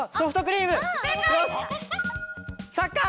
サッカー！